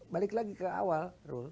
balik lagi ke awal